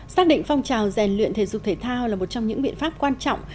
xác định phong trào rèn luyện thể dục thể thao là một trong những biện pháp quan trọng